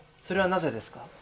それはなぜですか？